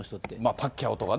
パッキャオとかね。